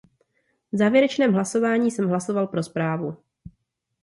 V závěrečném hlasování jsem hlasoval pro zprávu.